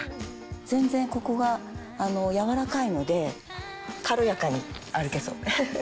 全然ここが柔らかいので軽やかに歩けそう。